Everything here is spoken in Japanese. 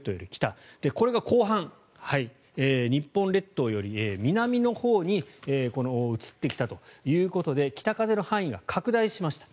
これが後半日本列島より南のほうに移ってきたということで北風の範囲が拡大しました。